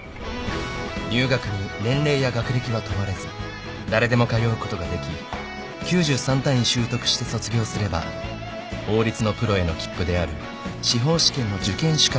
［入学に年齢や学歴は問われず誰でも通うことができ９３単位修得して卒業すれば法律のプロへの切符である司法試験の受験資格を得られる］